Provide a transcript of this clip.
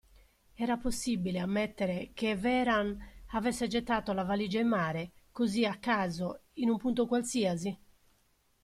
Era possibile ammettere che Vehrehan avesse gettato la valigia in mare, così a caso, in un punto qualsiasi?